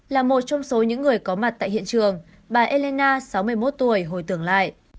là một trong số những người có mặt tại hiện trường bà elina sáu mươi một tuổi hồi tưởng lại